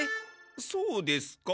そうですか？